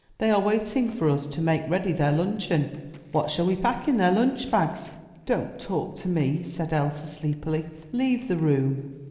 They are waiting for us to make ready their luncheon. What shall we pack in their lunch bags?" ''Don't talk to me," said Elsa sleepily. *'Leave the room!"